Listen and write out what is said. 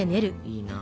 いいな。